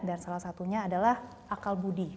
dan salah satunya adalah akal budi